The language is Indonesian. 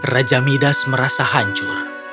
raja midas merasa hancur